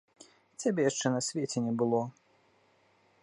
Цябе яшчэ на свеце не было.